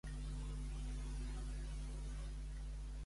Què planteja Jo també soc catalana?